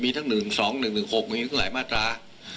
มีทั้ง๑๒๑๑๖หลายมาตรา